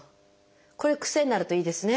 これ癖になるといいですね。